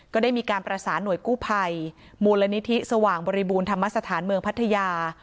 ก็ได้มีการประสานหน่วยกู้ภัยมูลนิธิสว่างบริบูรณธรรมสถานเมืองพัทยา